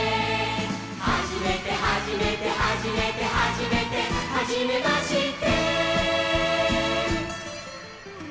「はじめてはじめてはじめてはじめて」「はじめまして」